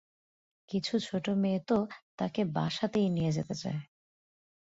কিছু ছোট মেয়ে তো তাকে বাসাতেই নিয়ে যেতে চায়।